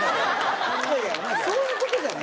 そういうことじゃない。